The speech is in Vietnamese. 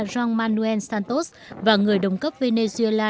jean manuel santos và người đồng cấp venezuela